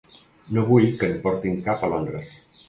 No vull que en portin cap a Londres.